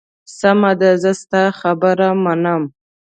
سمه ده، زه ستا خبره منم.